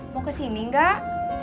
mau kesini gak